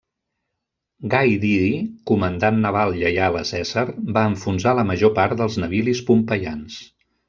Gai Didi, comandant naval lleial a Cèsar, va enfonsar la major part dels navilis pompeians.